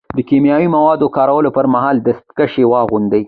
د کیمیاوي موادو کارولو پر مهال دستکشې واغوندئ.